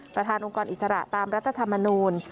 ประธานองค์กรอิสระตามรัฐธรรมนูล